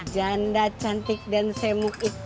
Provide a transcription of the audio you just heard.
janda cantik dan semuk itu